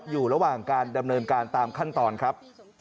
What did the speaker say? อยู่ระหว่างการดำเนินการตามขั้นตอนครับ